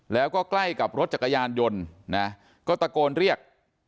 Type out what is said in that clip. แล้วก็ใกล้กับรถจักรยานยนต์นะก็ตะโกนเรียก